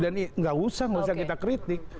nggak usah nggak usah kita kritik